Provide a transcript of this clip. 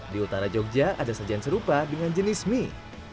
di utara jogja ada sajian serupa dengan jenis mie